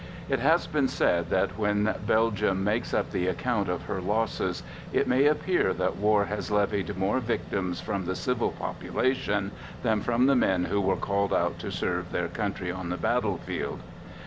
It has been said that when Belgium makes up the account of her losses, it may appear that war has levied more victims from the civil population than from the men who were called out to serve their country on the battlefield.